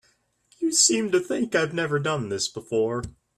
You seem to think I've never done this before.